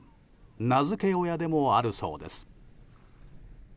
名付け親でもあるそうです。